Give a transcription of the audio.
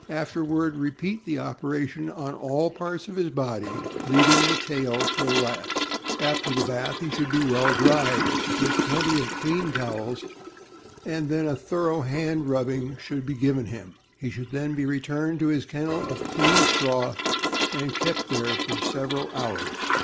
Afterward, repeat the operation on all parts of his body, leaving the tail till the last. After the bath, he should be well dried with plenty of clean towels, and then a thorough hand rubbing should be given him. He should then be returned to his kennel of clean straw and kept there for several hours.